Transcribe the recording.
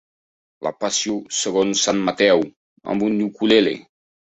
"La passió segons sant Mateu" amb un ukelele.